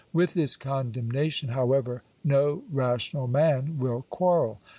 With this condemnation, however, no rational man will quarrel.